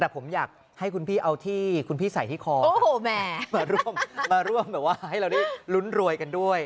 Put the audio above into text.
แต่ผมอยากให้คุณพี่เอาที่คุณพี่ใส่ที่คอโอ้โหแม่มาร่วมมาร่วมแบบว่าให้เราได้ลุ้นรวยกันด้วย